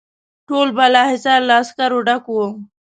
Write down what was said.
ټول بالاحصار له عسکرو ډک وو.